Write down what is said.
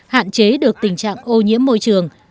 hạn chế được tình trạng ô nhiễm môi trường